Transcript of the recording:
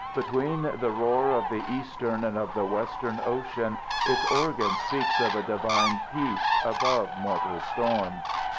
Between the roar of the eastern and of the western ocean its organ speaks of a Divine peace above mortal storm.